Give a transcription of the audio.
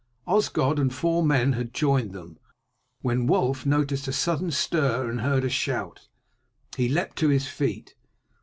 Osgod and four men had joined them when Wulf noticed a sudden stir and heard a shout. He leapt to his feet.